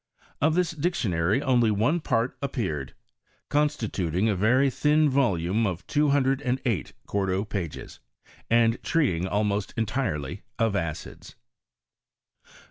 Of this dictionary only one part appeared, consti tuting a very thin volume of two hundred and eight quarto pages, and treating almost entirely of adds pnOGRKSS OF CHEMIBTUY IN FRANCE.